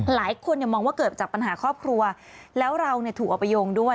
หลายคนเนี่ยมองว่าเกิดจากปัญหาครอบครัวแล้วเราเนี่ยถูกเอาไปโยงด้วย